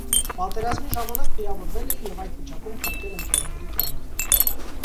Պատերազմի ժամանակ վիրավորվել է և այդ վիճակում փրկել ընկերների կյանքը։